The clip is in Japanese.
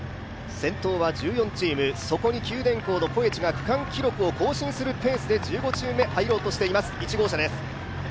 先頭は１４チーム、そこに九電工のコエチが区間記録を更新するペースで、１５チーム目に入ろうとしています。